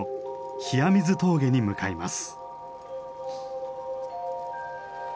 冷水峠に向かいます。